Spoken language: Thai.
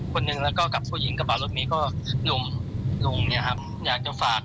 คนหนึ่งแล้วก็กับผู้หญิงกับบาลรถมีก็ลุงลุงเนี้ยครับอยากจะฝาก